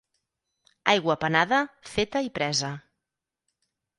Aigua panada, feta i presa.